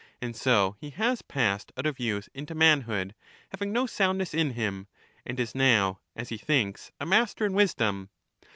And so he has passed out of youth into manhood, having no soundness in him; and is now, as he thinks, a master in wisdom.